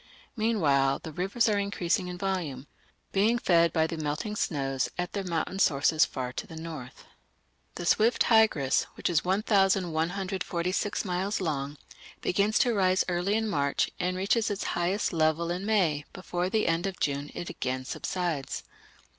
Meanwhile the rivers are increasing in volume, being fed by the melting snows at their mountain sources far to the north. The swift Tigris, which is 1146 miles long, begins to rise early in March and reaches its highest level in May; before the end of June it again subsides.